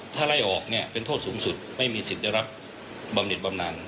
ถ้าไล่ออกเนี่ยเป็นโทษสูงสุดไม่มีสิทธิ์ได้รับบำเน็ตบำนาน